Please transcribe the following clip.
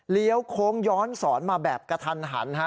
โค้งย้อนสอนมาแบบกระทันหัน